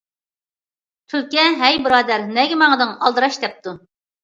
تۈلكە- ھەي بۇرادەر نەگە ماڭدىڭ ئالدىراش دەپتۇ.